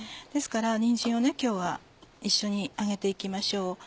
ですからにんじんを今日は一緒に揚げて行きましょう。